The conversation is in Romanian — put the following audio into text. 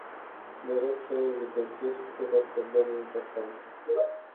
Doresc să evidențiez câteva probleme importante.